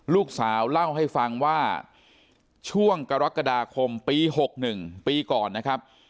ลูกสาวเล่าให้ฟังว่าช่วงกรกฎาคมปี๖๑ปีก่อนนะครับ